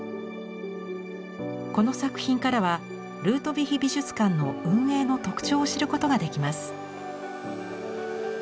この作品からはルートヴィヒ美術館の運営の特徴を知ることができます。